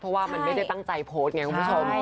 เพราะว่ามันไม่ได้ตั้งใจโพสต์ไงคุณผู้ชม